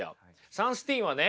サンスティーンはね